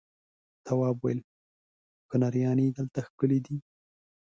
تواب وويل: کنریانې دلته ښکلې دي.